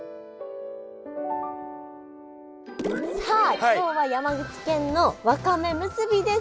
さあ今日は山口県のわかめむすびです！